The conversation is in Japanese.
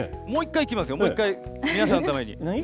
もう１回いきますよ、もう１回、皆さんのために。